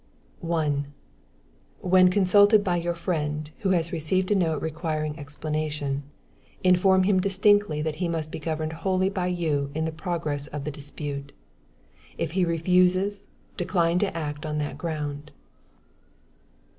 1. When consulted by your friend, who has received a note requiring explanation, inform him distinctly that he must be governed wholly by you in the progress of the dispute. If he refuses, decline to act on that ground.